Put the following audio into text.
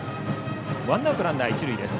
ワンアウトランナー、一塁です。